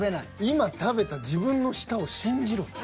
今食べた自分の舌を信じろって。